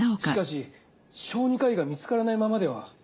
しかし小児科医が見つからないままでは。